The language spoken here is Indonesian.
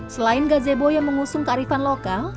selain gazebo yang mengusung kearifan lokal